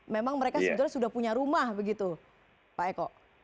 memang mereka sebetulnya sudah punya rumah begitu pak eko